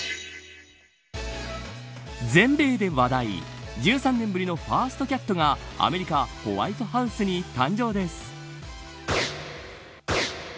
全米で話題１３年ぶりのファーストキャットがアメリカホワイトハウスに誕生です。